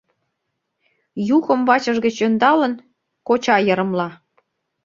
— Юхом вачыж гыч ӧндалын, коча йырымла.